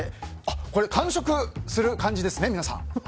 これ完食する感じですね、皆さん。